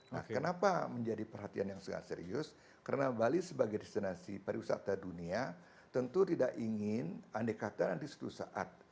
nah kenapa menjadi perhatian yang sangat serius karena bali sebagai destinasi pariwisata dunia tentu tidak ingin andai kata nanti suatu saat